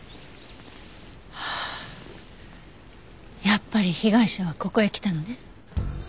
やっぱり被害者はここへ来たのね。